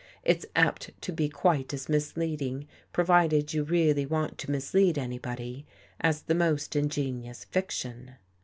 It's apt to be quite as misleading, provided you really want to mislead anybody, as the most in genious fiction.